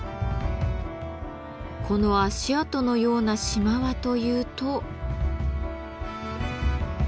この足跡のような島はというと。